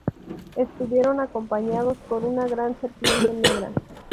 Estuvieron acompañados por una gran serpiente negra.